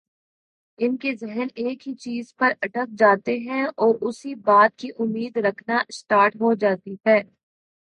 ان کے ذہن ایک ہی چیز پر اٹک جاتے ہیں اور اسی بات کی امید رکھنا اسٹارٹ ہو جاتی ہیں